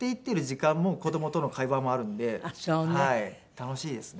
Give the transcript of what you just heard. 楽しいですね。